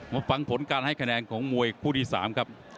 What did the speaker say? กับมวยคู่เอกของเราวันนี้นะครับ